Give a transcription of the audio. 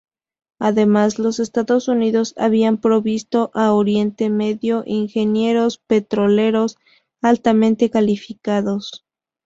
Además, los Estados Unidos habían provisto a Oriente Medio ingenieros petroleros altamente calificados.